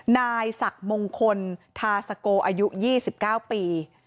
นายศักดิ์มงคลทาสโกอายุ๒๙ปี